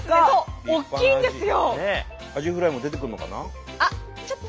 大きいんですよ！